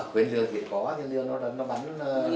khuyến lương thì có khuyến lương nó bắn